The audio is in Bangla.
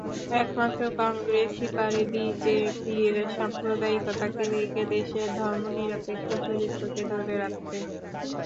একমাত্র কংগ্রেসই পারে বিজেপির সাম্প্রদায়িকতাকে রুখে দেশের ধর্মনিরপেক্ষ চরিত্রকে ধরে রাখতে।